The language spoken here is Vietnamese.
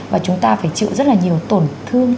và chúng ta phải chịu rất là nhiều tổn thương